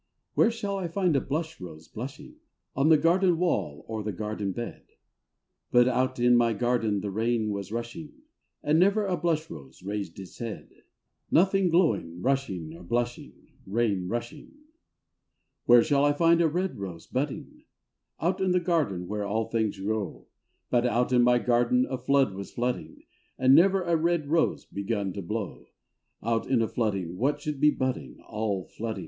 11. Where shall I find a blush rose blushing ?— On the garden wall or the garden bed. — But out in my garden the rain was rushing And never a blush rose raised its head. Nothing glowing, flushing or blushing: Rain rushing. hi. Where shall I find a red rose budding? — Out in the garden where all things grow. — But out in my garden a flood was flooding, And never a red rose begun to blow. Out in a flooding what should b^ budding? All flooding!